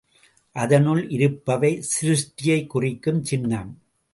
அதனுள் இருப்பவை சிருஷ்டியைக் குறிக்கும் சின்னம்.